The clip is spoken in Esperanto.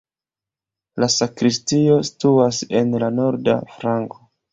La sakristio situas en la norda flanko.